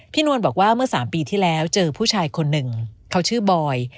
นวลบอกว่าเมื่อ๓ปีที่แล้วเจอผู้ชายคนหนึ่งเขาชื่อบอย